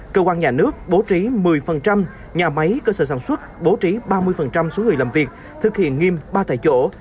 cơ quan nhà nước bố trí một mươi nhà máy cơ sở sản xuất bố trí ba mươi số người làm việc thực hiện nghiêm ba tại chỗ